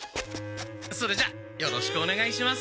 それじゃよろしくおねがいします！